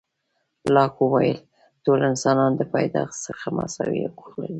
لاک وویل، ټول انسانان د پیدایښت څخه مساوي حقوق لري.